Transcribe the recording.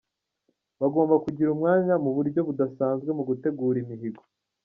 Bagomba kugira umwanya mu buryo budasanzwe mu gutegura imihigo’’.